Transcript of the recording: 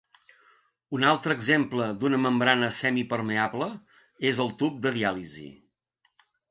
Un altre exemple d'una membrana semipermeable és el tub de diàlisi.